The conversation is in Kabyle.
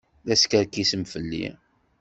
La teskerkisem fell-i.